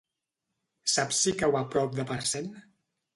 Saps si cau a prop de Parcent?